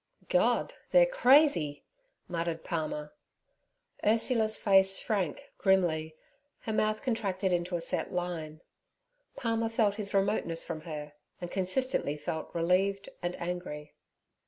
'God, they're crazy!' muttered Palmer. Ursula's face shrank grimly, her mouth contracted into a set line. Palmer felt his remoteness from her, and consistently felt relieved and angry.